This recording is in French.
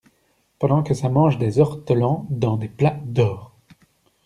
Pendant que ça mange des ortolans dans des plats d'or!